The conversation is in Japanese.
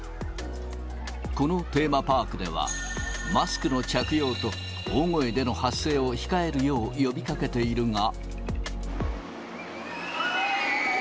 このテーマパークでは、マスクの着用と大声での発声を控えるよう呼びかけているが。